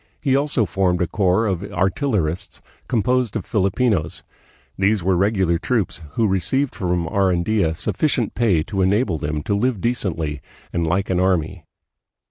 He also formed a corps of artillerists composed of Filipinos. These were regular troops, who received from Arandia sufficient pay to enable them to live decently and like an army.